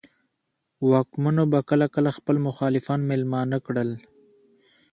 واکمنو به کله کله خپل مخالفان مېلمانه کړل.